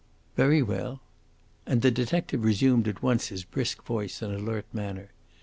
"Very well." And the detective resumed at once his brisk voice and alert manner.